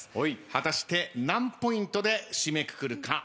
果たして何ポイントで締めくくるか。